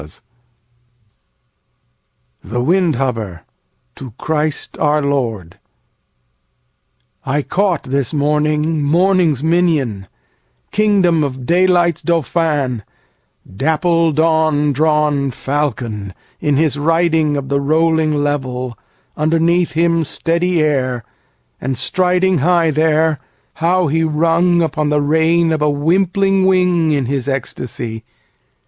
12 The Windhover: To Christ our Lord I CAUGHT this morning morning's minion, king dom of daylight's dauphin, dapple dawn drawn Fal con, in his riding Of the rolling level underneath him steady air, and striding High there, how he rung upon the rein of a wimpling wing In his ecstacy!